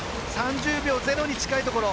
３０秒０に近いところ。